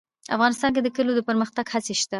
افغانستان کې د کلیو د پرمختګ هڅې شته.